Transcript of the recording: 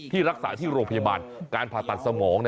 รักษาที่โรงพยาบาลการผ่าตัดสมอง